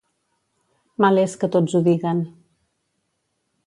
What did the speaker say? Mal és que tots ho diguen.